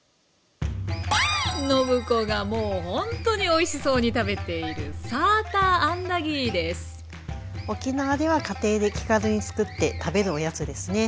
暢子がもうほんとにおいしそうに食べている沖縄では家庭で気軽に作って食べるおやつですね。